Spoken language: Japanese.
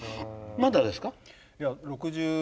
まだですね。